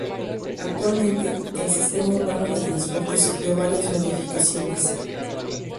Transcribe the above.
Actualmente, el Sistema Urbano de Transporte sufrió varias modificaciones.